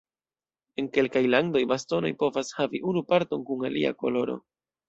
En kelkaj landoj bastonoj povas havi unu parton kun alia koloro.